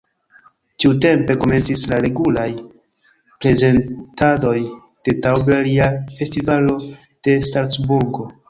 Tiutempe komencis la regulaj prezentadoj de Tauber je la Festivalo de Salcburgo.